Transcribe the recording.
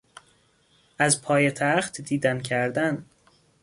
از پایتخت دیدن کردن